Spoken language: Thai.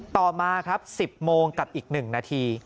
ต่อมาครับ๑๐โมงกับอีก๑นาที